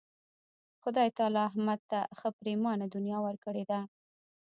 خدای تعالی احمد ته ښه پرېمانه دنیا ورکړې ده.